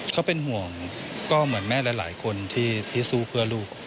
เขาเป็นห่วงก็เหมือนแม่หลายคนที่สู้เพื่อลูก